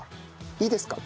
いいですか？